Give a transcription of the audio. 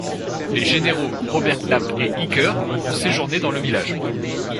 Les généraux Robert Knapp et Eaker ont séjourné dans le village.